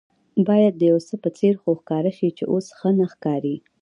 باید د یوڅه په څېر خو ښکاره شي چې اوس ښه نه ښکاري.